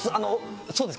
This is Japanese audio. そうです